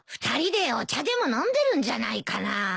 ２人でお茶でも飲んでるんじゃないかな？